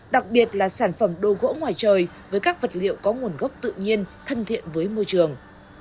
đặc biệt là sản phẩm đồ gỗ ngoài trời với các vật liệu có nguồn gốc tự nhiên thân thiện với môi trường